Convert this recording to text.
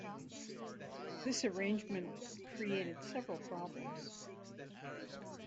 This arrangement created several problems.